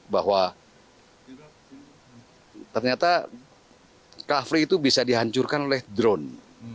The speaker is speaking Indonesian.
bahwa ternyata covery itu bisa dihancurkan oleh drone